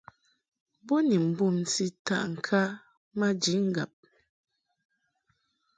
Bo ni mbumti taʼŋka maji ŋgab.